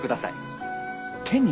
手に？